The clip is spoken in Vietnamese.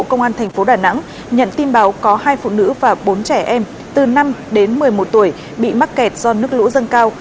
công an thành phố đà nẵng nhận tin báo có hai phụ nữ và bốn trẻ em từ năm đến một mươi một tuổi bị mắc kẹt do nước lũ dâng cao